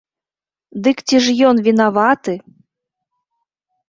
Дык ці ж ён вінаваты?